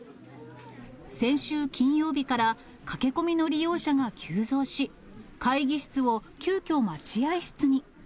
先週金曜日から駆け込みの利用者が急増し、会議室を急きょ、待合室に。